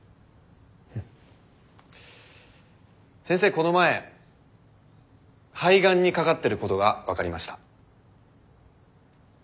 この前肺がんにかかってることが分かりました。